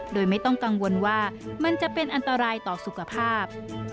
โดยไม่ต้องกังวลว่ามันจะเป็นอันตรายต่อสุขภาพ